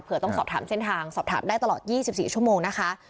เพื่อต้องสอบถามเส้นทางสอบถามได้ตลอด๒๔ชั่วโมงนะคะ